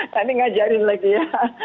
nanti ngajarin lagi ya